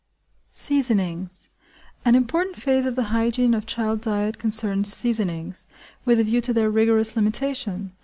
Seasonings. An important phase of the hygiene of child diet concerns seasonings–with a view to their rigorous limitation.